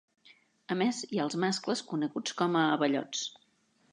A més, hi ha els mascles, coneguts com a abellots.